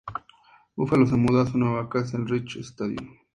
Buffalo se mudo a su nueva casa, el Rich Stadium.